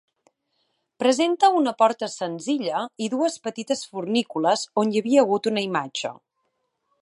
Presenta una porta senzilla i dues petites fornícules, on hi havia hagut una imatge.